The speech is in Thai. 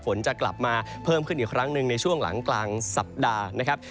ฝนจะกลับมาเพิ่มขึ้นอีกครั้งหนึ่งในช่วงหลังกลางสัปดาห์นะครับ